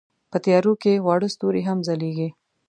په تیارو کې واړه ستوري هم ځلېږي.